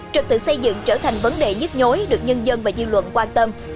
trực tự xây dựng trở thành vấn đề nhất nhối được nhân dân và dư luận quan tâm